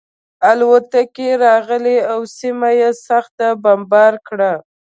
الوتکې راغلې او سیمه یې سخته بمبار کړه